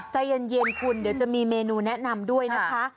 ใจเย็นคุณเดี๋ยวจะมีเมนูแนะนำด้วยนะคะ